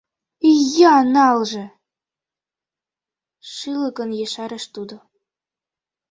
Ия налже, - шӱлыкын ешарыш тудо.